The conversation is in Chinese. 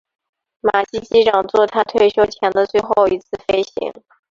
马基机长作他退休前的最后一次飞行。